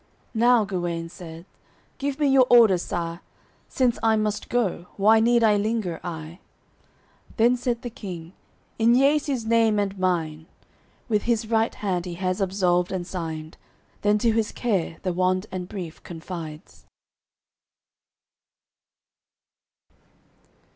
XXVI "Now," Guenes said, "give me your orders, Sire; Since I must go, why need I linger, I?" Then said the King "In Jesu's Name and mine!" With his right hand he has absolved and signed, Then to his care the wand and brief confides.